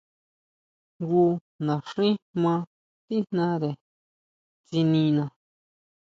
Jngu naxín jmá tíjnare tsinina.